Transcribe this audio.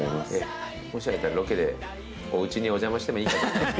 もしあれだったらロケでおうちにお邪魔してもいい。